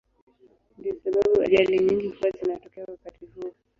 Ndiyo sababu ajali nyingi huwa zinatokea wakati huo.